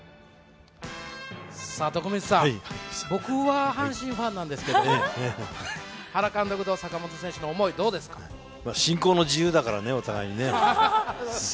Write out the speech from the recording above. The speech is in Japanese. さあ、徳光さん、僕は阪神ファンなんですけど、原監督と坂本選手の想い、どうで信仰の自由だからね、お互いにね。